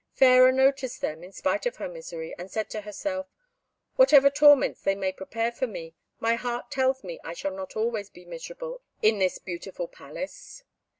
Fairer noticed them, in spite of her misery, and said to herself, "Whatever torments they may prepare for me, my heart tells me I shall not always be miserable in this beautiful palace."